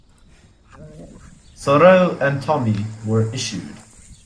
Sorrow" and "Tommy" were issued.